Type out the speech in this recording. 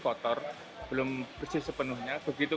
kotor belum bersih sepenuhnya begitu